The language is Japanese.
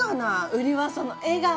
売りはその笑顔で。